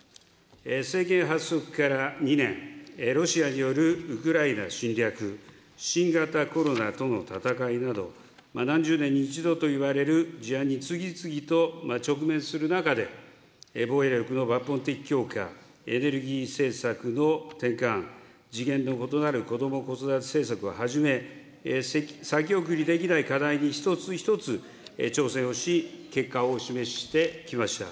政権発足から２年、ロシアによるウクライナ侵略、新型コロナとの闘いなど、何十年に一度といわれる事案に次々と直面する中で、防衛力の抜本的強化、エネルギー政策の転換、次元の異なるこども・子育て政策をはじめ、先送りできない課題に一つ一つ挑戦をし、結果をお示ししてきました。